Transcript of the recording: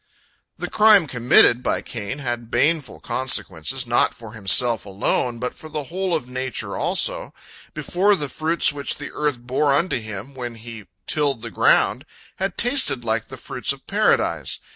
" The crime committed by Cain had baneful consequences, not for himself alone, but for the whole of nature also. Before, the fruits which the earth bore unto him when he tilled the ground had tasted like the fruits of Paradise.